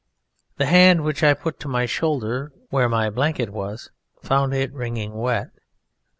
The hand which I put to my shoulder where my blanket was found it wringing wet.